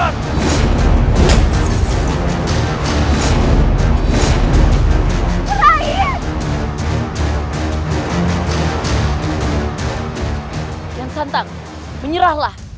kian santang menyerahlah